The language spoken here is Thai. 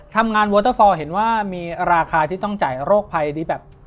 ทำงานเวิร์เตอร์ฟอร์เห็นว่ามีราคาที่ต้องจ่ายโรคภัยที่แบบ